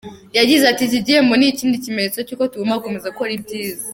Yagize ati “Iki gihembo ni ikindi kimenyetso cy’uko tugomba gukomeza gukora ibyiza.